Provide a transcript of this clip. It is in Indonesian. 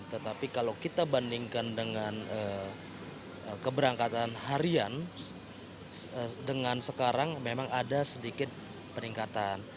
tetapi kalau kita bandingkan dengan keberangkatan harian dengan sekarang memang ada sedikit peningkatan